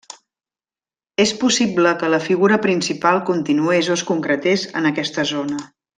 És possible que la figura principal continués o es concretés en aquesta zona.